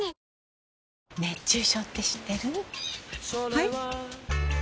はい？